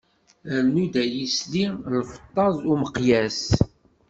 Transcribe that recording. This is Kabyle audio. Rnu-d ay isli, lfeṭṭa n umeqyas.